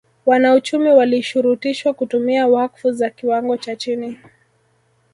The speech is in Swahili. Wanauchumi walishurutishwa kutumia wakfu za kiwango cha chini